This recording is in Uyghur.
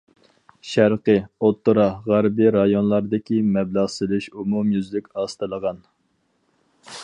شەرقىي، ئوتتۇرا، غەربىي رايونلاردىكى مەبلەغ سېلىش ئومۇميۈزلۈك ئاستىلىغان.